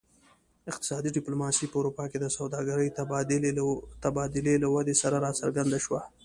اقتصادي ډیپلوماسي په اروپا کې د سوداګرۍ تبادلې له ودې سره راڅرګنده شوه